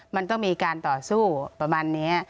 มันต้องมีการต่อสู้ประมาณนี้